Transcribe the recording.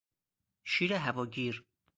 شیر هواگیر